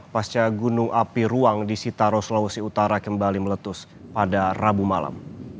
pasca gunung api ruang di sitaro sulawesi utara kembali meletus pada rabu malam